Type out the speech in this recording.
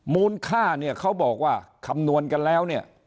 มูลค่าเนี่ยเขาบอกว่าคำนวณกันแล้วเนี่ย